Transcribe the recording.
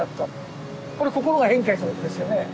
これ心が変化してるわけですよね。